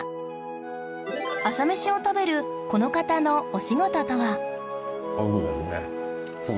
朝メシを食べるこの方のお仕事とは？